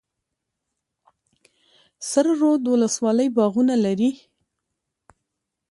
سره رود ولسوالۍ باغونه لري؟